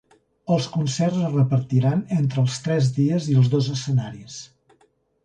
Els concerts es repartiran entre els tres dies i els dos escenaris.